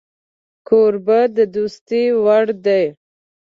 کوربه د دوستۍ وړ دی